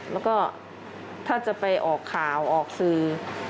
แล้วก็ถ้าจะไปออกข่าวออกสื่อ